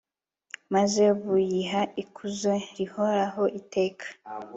maze buyiha ikuzo rihoraho iteka